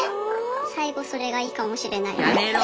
最期それがいいかもしれないです。